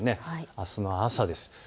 あすの朝です。